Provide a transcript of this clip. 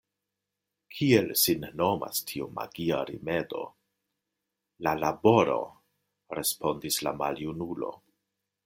Kiel sin nomas tiu magia rimedo? La laboro, respondis la maljunulo.